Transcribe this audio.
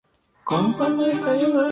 Se produce un concurso ideal de delitos.